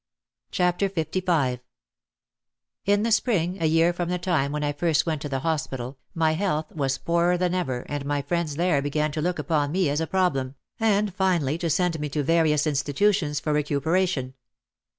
OUT OF THE SHADOW 259 LV In the spring, a year from the time when I first went to the hospital, my health was poorer than ever and my friends there began to look upon me as a problem, and finally to send me to various institutions for recupera tion.